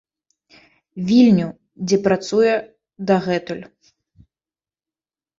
Вільню, дзе працуе дагэтуль.